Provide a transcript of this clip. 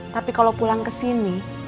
tapi kalau pulang ke sini